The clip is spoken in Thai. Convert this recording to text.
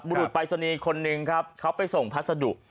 บุรุษปรายศนีย์คนนึงครับเขาไปส่งพัสดุ